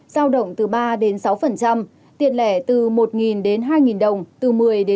giao động từ ba sáu tiền lẻ từ một hai đồng từ một mươi một mươi năm